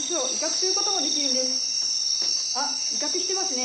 あっ威嚇してますね！